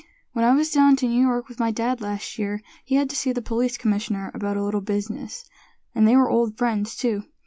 "When I was down to New York with my dad last year, he had to see the Police Commissioner about a little business; and they were old friends too.